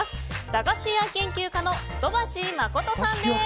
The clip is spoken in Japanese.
駄菓子屋研究家の土橋真さんです。